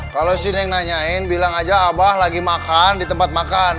kalau siapa yang nanya bilang saja abah lagi makan di tempat makan